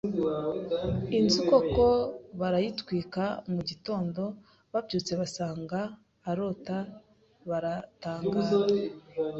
Inzu koko barayitwika mu gitondo babyutse basanga arota baratangara